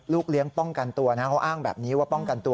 เลี้ยงป้องกันตัวนะเขาอ้างแบบนี้ว่าป้องกันตัว